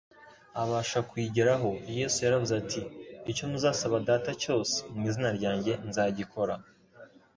abasha kuyigeraho. Yesu yaravuze ati: «Icyo muzasaba Data cyose mu izina ryanjye nzagikora,